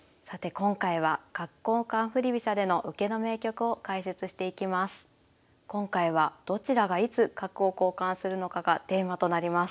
今回は「どちらがいつ角を交換するのか」がテーマとなります。